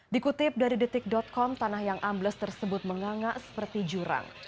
dikutip dari detik com tanah yang ambles tersebut mengangak seperti jurang